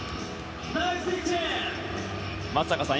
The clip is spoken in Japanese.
松坂さん